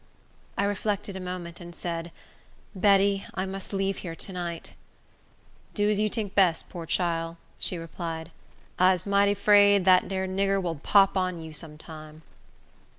I reflected a moment, and said, "Betty, I must leave here to night." "Do as you tink best, poor chile," she replied. "I'se mighty 'fraid dat 'ere nigger vill pop on you some time."